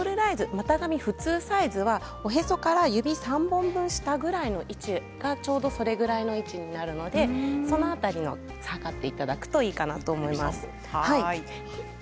股上、普通サイズはおへそから３本下ぐらいの辺りがそれぐらいの位置になるのでその辺りを測っていただくといいと思います。